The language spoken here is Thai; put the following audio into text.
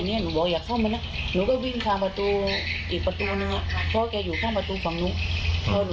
ถ้าหนูไม่ใช่มิดอันเนี้ยหนูไม่หลุดแกจะตีหนูตรงนั้นน่ะตายอยู่ตรงนั้น